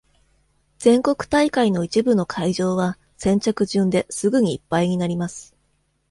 全国大会の一部の会場は、先着順ですぐにいっぱいになります。